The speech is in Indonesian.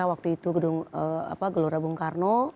waktu itu gedung gelora bung karno